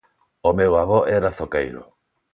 O meu avó era zoqueiro.